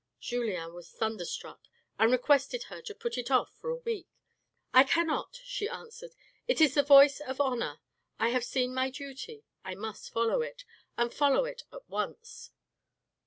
Julien was thunderstruck and requested her to put it off for a week. " I cannot," she answered, " it is the voice of honour, I have seen my duty, I must follow it, and follow it at once."